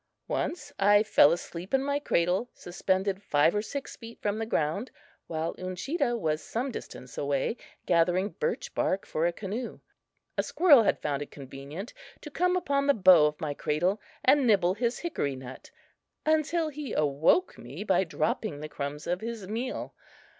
Once I fell asleep in my cradle, suspended five or six feet from the ground, while Uncheedah was some distance away, gathering birch bark for a canoe. A squirrel had found it convenient to come upon the bow of my cradle and nibble his hickory nut, until he awoke me by dropping the crumbs of his meal.